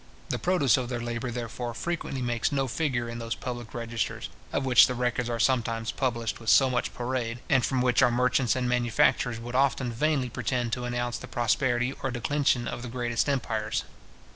The produce of their labour, therefore, frequently makes no figure in those public registers, of which the records are sometimes published with so much parade, and from which our merchants and manufacturers would often vainly pretend to announce the prosperity or declension of the greatest empires.